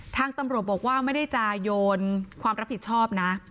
ทางตำรวจบอกว่าไม่ได้จะโยนความรับผิดชอบนะ